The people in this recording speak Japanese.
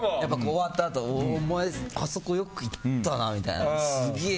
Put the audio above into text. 終わったあと、お前あそこよくいったなみたいなすげー！